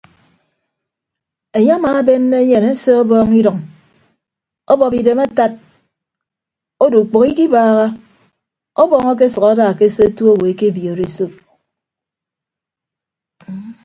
Enye amaabenne enyen ese ọbọọñ idʌñ ọbọp idem atad odo ukpәho ikibaaha ọbọọñ akesʌk ada ke se otu owo ekebiooro esop.